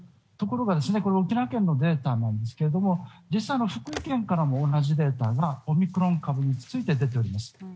ところが、これは沖縄県のデータなんですが実際に別のところからも同じデータがオミクロン株について出ております。